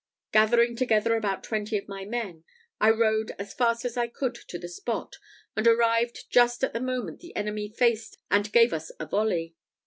Gathering together about twenty of my men, I rode as fast as I could to the spot, and arrived just at the moment the enemy faced and gave us a volley.